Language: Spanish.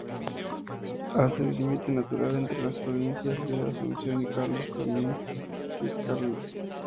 Hace de límite natural entre las provincias de Asunción y Carlos Fermín Fitzcarrald.